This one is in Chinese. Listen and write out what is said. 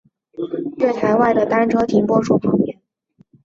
洗手间则位于月台外的单车停泊处旁边。